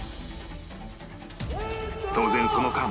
当然その間